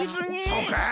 そうかい？